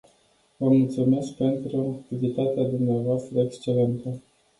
Vă mulțumesc pentru activitatea dvs. excelentă.